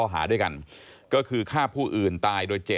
ที่มันก็มีเรื่องที่ดิน